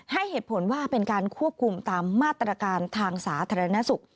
ให้เหตุผลว่าเป็นการควบคุมตามมาตรการทางสาธารณสุข